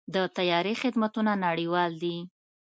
د طیارې خدمتونه نړیوال دي.